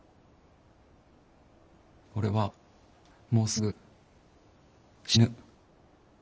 俺はもうすぐ死ぬ。